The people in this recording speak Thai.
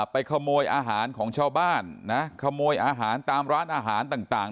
ไปขโมยอาหารของชาวบ้านนะขโมยอาหารตามร้านอาหารต่าง